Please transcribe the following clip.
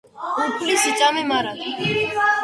უფლის იწამე მარად.